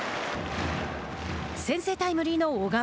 先制タイムリーの小川。